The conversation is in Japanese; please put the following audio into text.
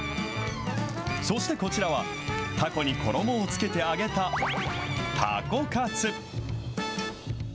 そしてこちらは、タコに衣をつけて揚げた、タコカツ。